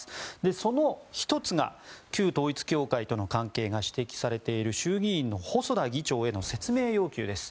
その１つが旧統一教会との関係が指摘されている衆議院の細田議長への説明要求です。